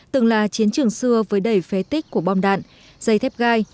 từng là chiến trường xưa với đầy phế tích của bom đạn dây thép gai